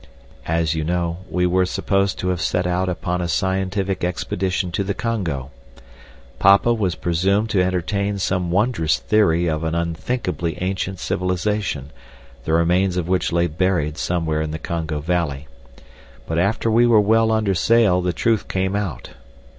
As you know, we were supposed to have set out upon a scientific expedition to the Congo. Papa was presumed to entertain some wondrous theory of an unthinkably ancient civilization, the remains of which lay buried somewhere in the Congo valley. But after we were well under sail the truth came out.